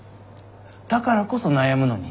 だからこそ悩むのに。